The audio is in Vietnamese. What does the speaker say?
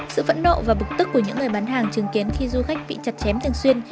sự phẫn nộ và bực tức của những người bán hàng chứng kiến khi du khách bị chặt chém thường xuyên